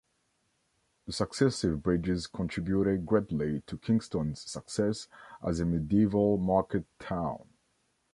The successive bridges contributed greatly to Kingston's success as a medieval market town.